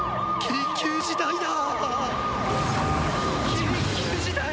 緊急事態だ！